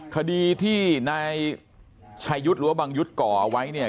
คดีที่นายชายุทธ์หรือว่าบังยุทธ์ก่อเอาไว้เนี่ย